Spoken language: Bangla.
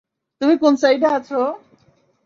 তুমি কোন সাইডে আছ?